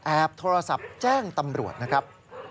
โทรศัพท์แจ้งตำรวจนะครับ